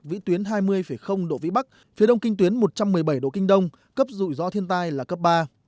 vĩ tuyến hai mươi độ vĩ bắc phía đông kinh tuyến một trăm một mươi bảy độ kinh đông cấp rủi ro thiên tai là cấp ba